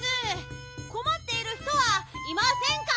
こまっている人はいませんか？